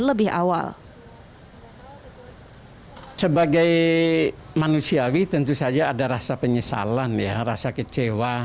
sebagai manusiawi tentu saja ada rasa penyesalan rasa kecewa